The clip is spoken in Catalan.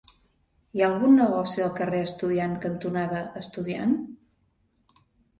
Hi ha algun negoci al carrer Estudiant cantonada Estudiant?